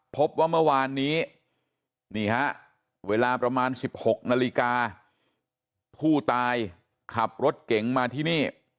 พบว่าเมื่อวานนี้นี่ฮะเวลาประมาณ๑๖นาฬิกาผู้ตายขับรถเก๋งมาที่นี่